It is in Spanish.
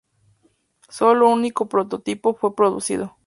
Sólo un único prototipo fue producido.